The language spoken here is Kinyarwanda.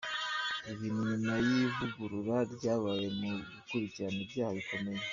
Ibi ni nyuma y’ivugurura ryabaye mu gukurikirana ibyaha bikomeye.